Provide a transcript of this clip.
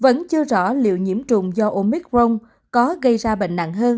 vẫn chưa rõ liệu nhiễm trùng do omicron có gây ra bệnh nặng hơn